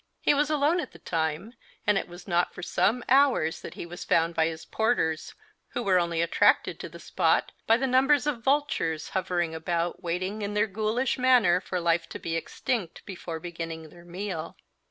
He was alone at the time, and it was not for some hours that he was found by his porters, who were only attracted to the spot by the numbers of vultures hovering about, waiting in their ghoulish manner for life to be extinct before beginning their meal.